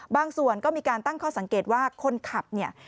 บางส่วนก็มีการตั้งข้อสังเกตว่าคนขับเนี่ย